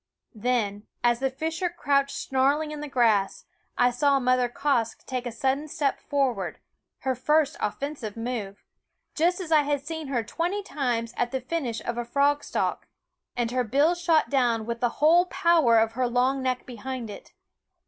Then, as the fisher crouched snarl ing in the grass, I saw Mother Quoskh take a sudden step forward, her first offensive move just as I had seen her twenty times at the finish of a frog stalk and her bill shot down with the whole power of her long neck behind it.